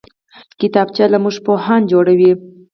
کتابچه له موږ پوهان جوړوي